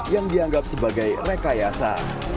yang dianggap sebagai rekayasa